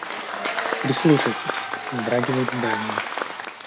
Прислушайтесь — вздрагивает здание.